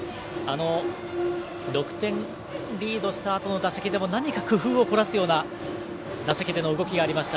６点リードしたあとの打席でも何か工夫を凝らすような打席での動きがありました。